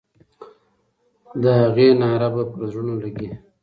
د هغې ناره به پر زړونو لګي.